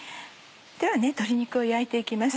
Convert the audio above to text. では鶏肉を焼いて行きます。